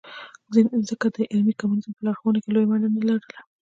ځکه د عملي کمونیزم په لارښوونه کې یې لویه ونډه نه لرله.